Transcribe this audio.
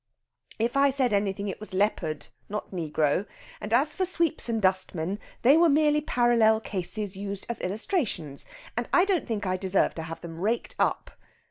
"If I said anything it was leopard, not negro. And as for sweeps and dustmen, they were merely parallel cases used as illustrations; and I don't think I deserve to have them raked up...."